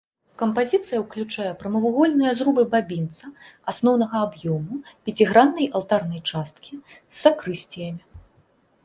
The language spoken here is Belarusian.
Кампазіцыя ўключае прамавугольныя зрубы бабінца, асноўнага аб'ёму, пяціграннай алтарнай часткі з сакрысціямі.